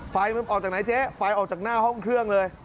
ไฟมันออกจากไหนเจ๊ไฟออกจากหน้าห้องเครื่องเลย